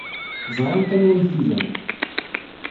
Ẓrant anwa ay t-ilan.